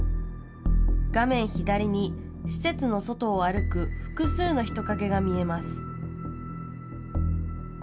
画面左に施設の外を歩く複数の人影が見えます。